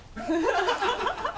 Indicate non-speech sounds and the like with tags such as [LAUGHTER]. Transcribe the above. ハハハ [LAUGHS]